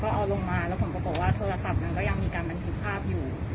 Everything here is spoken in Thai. เอาลงมาแล้วผมก็บอกว่าโทรศัพท์มันก็ยังมีการบันทึกภาพอยู่